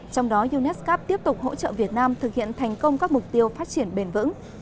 trong đó unesco tiếp tục hỗ trợ việt nam thực hiện thành công các mục tiêu phát triển bền vững